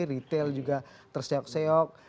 retail juga terseok seok